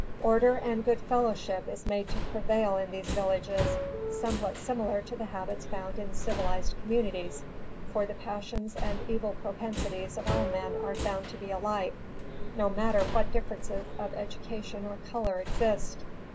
Order and good fellowship is made to prevail in these villages, somewhat similar to the habits found in civilized communities, for the passions and evil propensities of all men are found to be alike, no matter what differences of education or color exist.